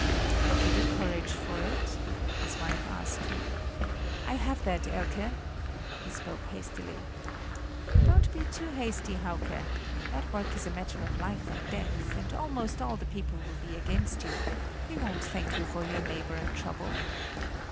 "Have you the courage for it?" his wife asked him. "I have that, Elke," he spoke hastily. "Don't be too hasty, Hauke; that work is a matter of life and death; and almost all the people will be against you, they won't thank you for your labor and trouble."